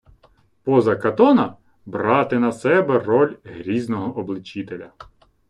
Поза Катона— брати на себе роль грізного обличителя